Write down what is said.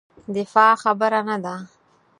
دفاع خبره نه ده.